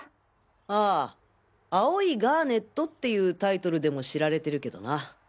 ああ『青いガーネット』っていうタイトルでも知られてるけどな。